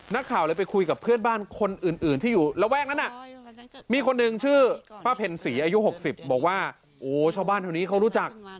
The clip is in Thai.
นักข่าวเลยไปคุยกับเพื่อนบ้านคนอื่นที่อยู่ระแวกนั้นมีคนหนึ่งชื่อป้าเพ็ญศรีอายุ๖๐บอกว่าโอ้ชาวบ้านแถวนี้เขารู้จัก